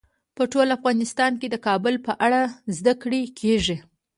په ټول افغانستان کې د کابل په اړه زده کړه کېږي.